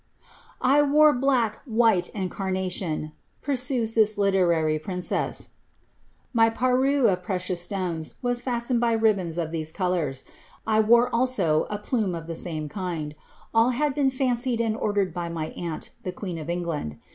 103 ^ I wore black, white, and carnation,'' pursues this literary princess ;'^ my porure of precious stones was fastened by ribbons of these colours ; I vore also a plume of the same kind : all had been &ncied and ordered by my aunt, the queen of England.